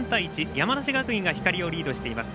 山梨学院が光をリードしています。